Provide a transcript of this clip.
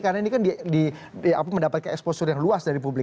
karena ini mendapatkan exposure yang luas dari publik